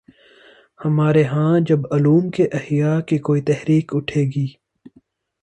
ہمارے ہاں جب علوم کے احیا کی کوئی تحریک اٹھے گی۔